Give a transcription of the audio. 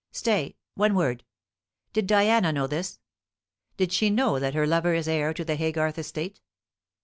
Stay; one word. Did Diana know this? did she know that her lover is heir to the Haygarth estate?"